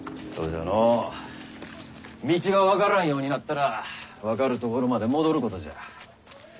そうじゃのう道が分からんようになったら分かるところまで戻ることじゃ。